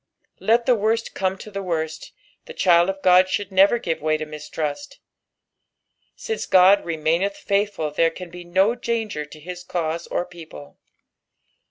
Let the worst come to the worst, the child o( Ood should never give way to mistrust ; since Ood remaincth faithful there can be no danger to hia cause or people.